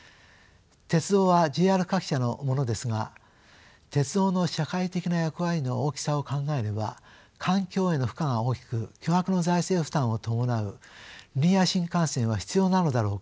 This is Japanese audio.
鉄道はＪＲ各社のものですが鉄道の社会的な役割の大きさを考えれば環境への負荷が大きく巨額の財政負担を伴うリニア新幹線は必要なのだろうか。